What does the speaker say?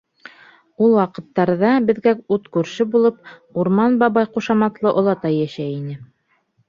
...Ул ваҡыттарҙа беҙгә ут күрше булып, Урман бабай ҡушаматлы олатай йәшәй ине.